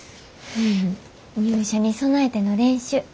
入社に備えての練習。